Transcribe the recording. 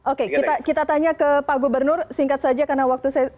oke kita tanya ke pak gubernur singkat saja karena waktu saya